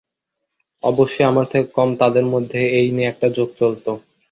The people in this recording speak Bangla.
অবশ্যই আমার থেকে কম, তাদের মধ্যে এই নিয়ে একটা জোক চলত।